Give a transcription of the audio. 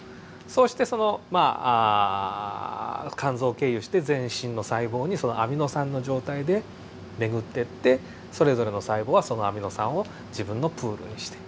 そうしてその肝臓を経由して全身の細胞にアミノ酸の状態で巡ってってそれぞれの細胞はそのアミノ酸を自分のプールにして。